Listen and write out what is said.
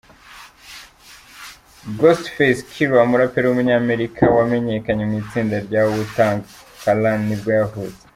Ghostface Killah, umuraperi w’umunyamerika wamenyekanye mu itsinda rya Wu Tang Clannibwo yavutse.